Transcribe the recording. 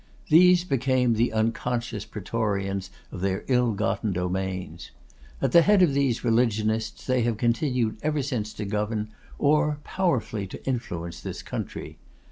These became the unconscious Praetorians of their ill gotten domains. At the head of these religionists, they have continued ever since to govern, or powerfully to influence this country.